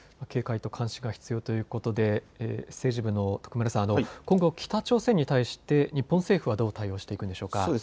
警戒と監視が必要ということで政治部の徳丸さん、今後、北朝鮮に対して日本政府はどう対応していくんでしょうか。